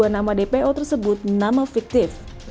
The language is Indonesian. dua nama dpo tersebut nama fiktif